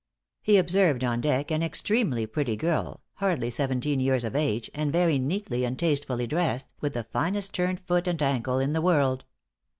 He observed on deck an extremely pretty girl, hardly seventeen years of age, and very neatly and tastefully dressed, with the finest turned foot and ankle in the world.